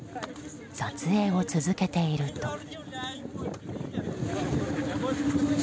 撮影を続けていると。